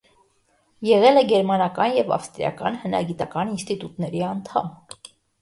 Եղել է գերմանական և ավստրիական հնագիտական ինստիտուտների անդամ։